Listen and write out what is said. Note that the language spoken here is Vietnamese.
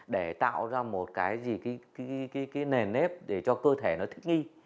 để tạo ra một cái nền nếp để cho cơ thể thích nghi